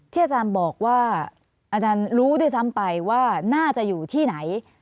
อาจารย์บอกว่าอาจารย์รู้ด้วยซ้ำไปว่าน่าจะอยู่ที่ไหน